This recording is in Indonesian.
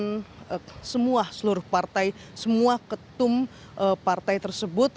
dengan semua seluruh partai semua ketum partai tersebut